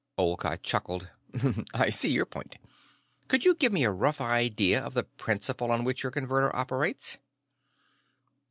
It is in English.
Olcott chuckled. "I see your point. Could you give me a rough idea of the principle on which your Converter operates?"